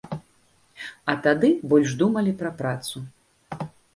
А тады больш думалі пра працу.